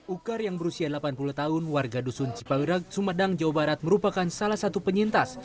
ukar yang berusia delapan puluh tahun warga dusun cipawira sumedang jawa barat merupakan salah satu penyintas